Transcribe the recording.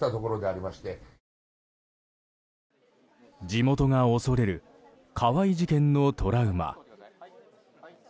地元が恐れる河合事件のトラウマ。